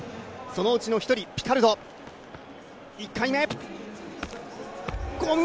そのうちの１人、ピカルド、１回目。